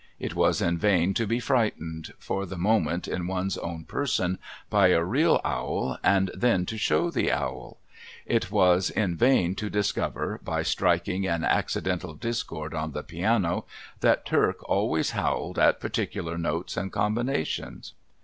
It was in vain to be frightened, for the moment in one's own person, by a real owl, and then to show the owl. It was in vain to discover, by striking an accidental discord on the piano, that Turk always howled at particular notes and combinations.